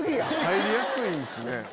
入りやすいんすね。